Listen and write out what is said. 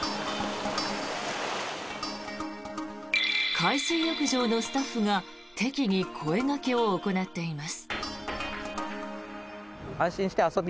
海水浴場のスタッフが適宜、声掛けを行っています。